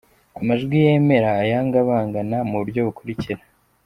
Amajwi yemera ayagabangana mu buryo bukurikira:.